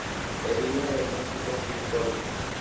Es hija del músico Phil Collins.